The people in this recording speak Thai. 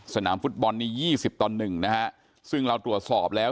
สนามฟุตบอลนี้๒๐ต่อ๑นะฮะซึ่งเราตรวจสอบแล้ว